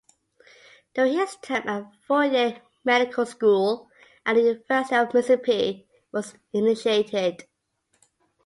During his term a four-year medical school at the University of Mississippi was initiated.